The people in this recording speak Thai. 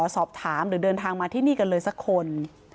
สอบถามหรือเดินทางมาที่นี่กันเลยสักคน